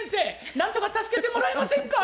何とか助けてもらえませんか？